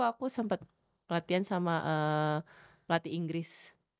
aku sempet pelatihan sama pelatih inggris